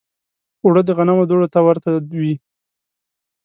اوړه د غنمو دوړو ته ورته وي